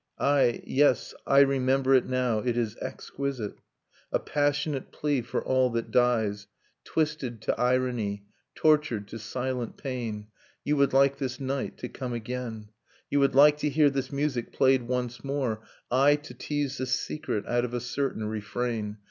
I Yes, I remember it now, it is exquisite ; j A passionate plea for all that dies, ^ j Twisted to irony, tortured to silent pain. .. i You would like this night to come again ; You would like to hear this music played once more, — I To tease the secret out of a certain refrain.